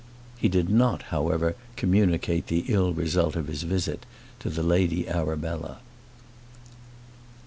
He did not, however, communicate the ill result of his visit to the Lady Arabella.